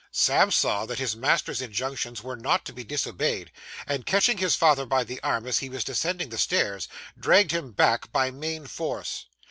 Sam saw that his master's injunctions were not to be disobeyed; and, catching his father by the arm as he was descending the stairs, dragged him back by main force.